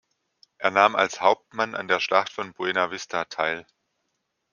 Er nahm als Hauptmann an der Schlacht von Buena Vista teil.